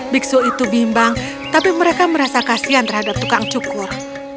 biksu itu bimbang tapi mereka merasa kasihan terhadap tukang cukur